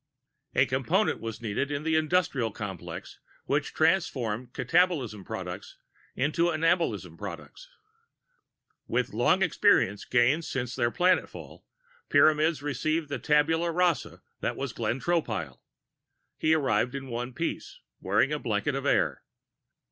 A Component was needed in the industrial complex which transformed catabolism products into anabolism products. With long experience gained since their planetfall, Pyramids received the tabula rasa that was Glenn Tropile. He arrived in one piece, wearing a blanket of air.